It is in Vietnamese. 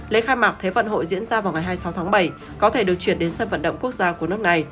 lễ khai mạc thế vận hội diễn ra vào ngày hai mươi sáu tháng bảy có thể được chuyển đến sân vận động quốc gia của nước này